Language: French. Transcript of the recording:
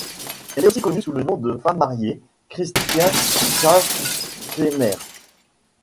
Elle est aussi connue sous son nom de femme mariée, Kristien Shaw-Kemmer.